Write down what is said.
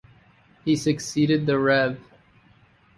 He succeeded the Rev.